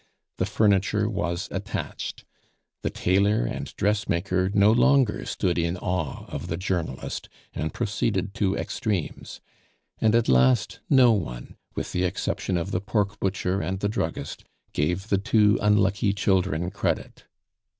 The furniture was attached. The tailor and dressmaker no longer stood in awe of the journalist, and proceeded to extremes; and at last no one, with the exception of the pork butcher and the druggist, gave the two unlucky children credit.